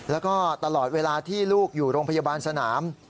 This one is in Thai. แล้วก็ตลอดเวลาที่ลูกอยู่โรงพยาบาลสนาม